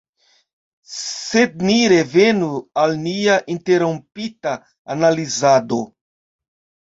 Sed ni revenu al nia interrompita analizado.